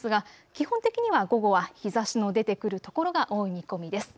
基本的には午後は日ざしの出てくるところが多い見込みです。